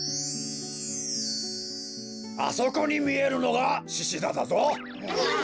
あそこにみえるのがししざだぞ！